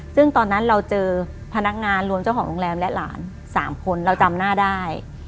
ซึ่งตอนนั้นเราเจอพนักงานรวมเจ้าของโรงแรมและหลาน๓คนเราจำหน้าได้